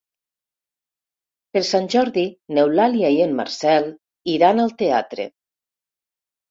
Per Sant Jordi n'Eulàlia i en Marcel iran al teatre.